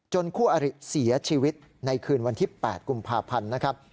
คู่อริเสียชีวิตในคืนวันที่๘กุมภาพันธ์นะครับ